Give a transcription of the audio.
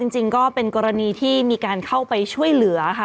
จริงก็เป็นกรณีที่มีการเข้าไปช่วยเหลือค่ะ